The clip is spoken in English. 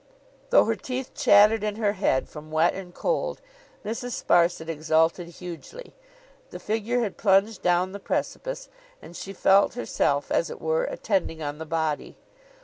Though her teeth chattered in her head from wet and cold, Mrs. Sparsit exulted hugely. The figure had plunged down the precipice, and she felt herself, as it were, attending on the body.